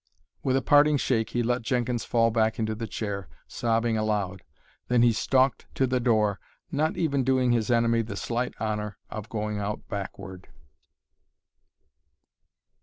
With a parting shake he let Jenkins fall back into the chair, sobbing aloud. Then he stalked to the door, not even doing his enemy the slight honor of going out backward.